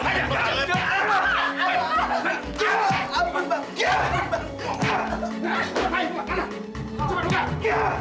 ayo buka pernikasannya